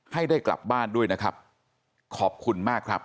ให้ได้กลับบ้านด้วยนะครับขอบคุณมากครับ